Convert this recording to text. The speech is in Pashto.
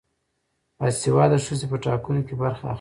باسواده ښځې په ټاکنو کې برخه اخلي.